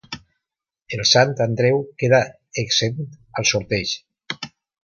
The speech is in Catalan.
El Sant Andreu queda exempt al sorteig.